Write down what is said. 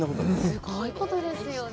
すごいことですよね。